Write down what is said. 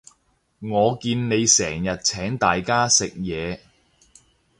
我見你成日請大家食嘢